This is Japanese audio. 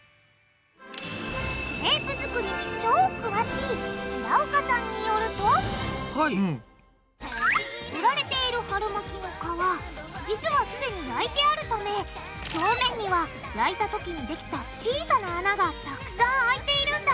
クレープ作りに超詳しい平岡さんによると売られている春巻きの皮実はすでに焼いてあるため表面には焼いたときにできた小さな穴がたくさんあいているんだ！